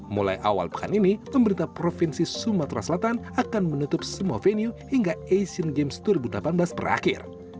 mulai awal pekan ini pemerintah provinsi sumatera selatan akan menutup semua venue hingga asian games dua ribu delapan belas berakhir